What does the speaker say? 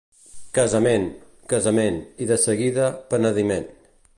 Casament, casament, i de seguida penediment.